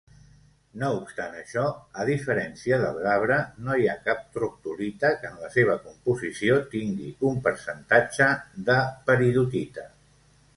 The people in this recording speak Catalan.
No obstant això, a diferència del gabre, no hi ha cap troctolita que en la seva composició tingui un percentatge de peridotita.